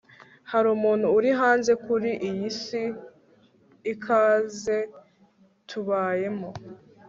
hari umuntu uri hanze kuriyi si ikaze tubayemo